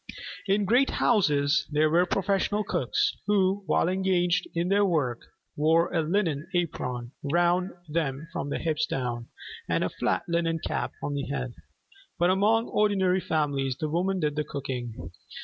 In great houses there were professional cooks, who, while engaged in their work, wore a linen apron round them from the hips down, and a flat linen cap on the head. But among ordinary families the women did the cooking.